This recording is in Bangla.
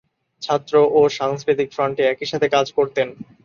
ছাত্র ও সাংস্কৃতিক ফ্রন্টে একইসাথে কাজ করতেন।